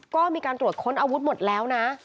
ก็มีการตรวจค้นอาวุธหมดแล้วนะ